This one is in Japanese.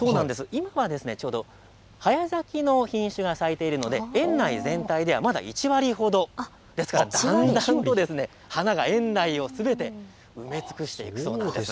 今はちょうど早咲きの品種が咲いているので園内全体ではまだ１割ほど、だんだんと花が園内をすべて埋め尽くしていくそうです。